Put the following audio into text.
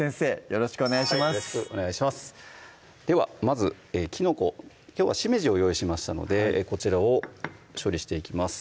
よろしくお願いしますではまずきのこきょうはしめじを用意しましたのでこちらを処理していきます